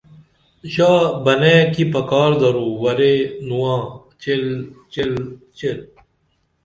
ژا بنئیں کی پکار درو ورے نواں چیل چیل چیل